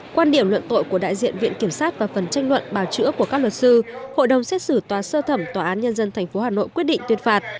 quan điểm luận tội của đại diện viện kiểm sát và phần tranh luận bào chữa của các luật sư hội đồng xét xử tòa sơ thẩm tòa án nhân dân tp hà nội quyết định tuyên phạt